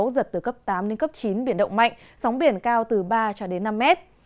giật từ cấp tám đến cấp chín biển động mạnh sóng biển cao từ ba cho đến năm mét